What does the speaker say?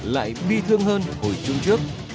lại bi thương hơn hồi chuông trước